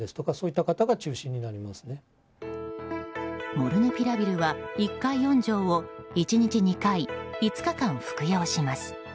モルヌピラビルは１回４錠を１日２回５日間服用します。